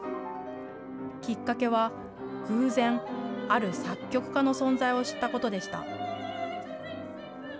きっかけは、偶然、ある作曲家の存在を知ったことでした。